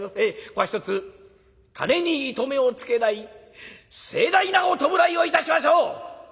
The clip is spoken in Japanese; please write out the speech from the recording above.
ここはひとつ金に糸目をつけない盛大なお葬式をいたしましょう！」。